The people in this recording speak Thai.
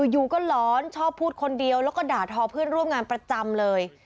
อยู่ก็หลอนชอบพูดคนเดียวแล้วก็ด่าทอเพื่อนร่วมงานประจำเลย